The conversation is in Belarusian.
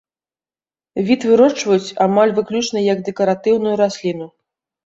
Від вырошчваюць амаль выключна як дэкаратыўную расліну.